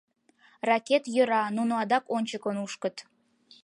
Ракет йӧра, нуно адак ончыко нушкыт.